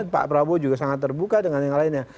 pak prabowo juga sangat terbuka dengan yang lainnya